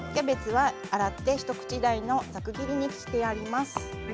洗って一口大のざく切りにしてあります。